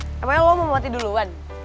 namanya lo mau mati duluan